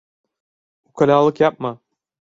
Ukalalık yapma.